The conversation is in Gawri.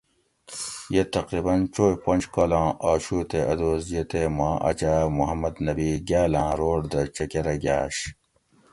یہ تقریباً چوئ پنج کالاں آشو تے اۤ دوس یہ تے ما اۤ جاۤ محمد نبی گاۤلاں روڑ دہ چکۤرہ گاۤش